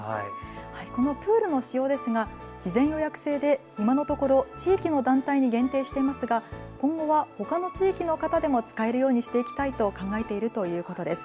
このプールの使用ですが事前予約制で今のところ地域の団体に限定していますが今後はほかの地域の方でも使えるようにしていきたいと考えているということです。